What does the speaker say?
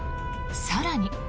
更に。